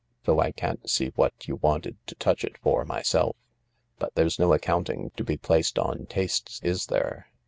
"Though I can't see what you wanted to touch it for, myself. But there's no accounting to be placed on tastes, is there